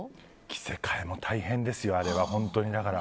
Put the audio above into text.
着せ替えも大変ですよ、あれは。